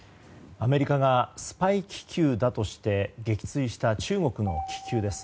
アメリカがスパイ気球だとして撃墜した中国の気球です。